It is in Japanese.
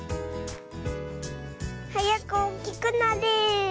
はやくおおきくなれ！